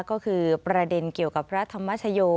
ก็คือประเด็นเกี่ยวกับพระธรรมชโย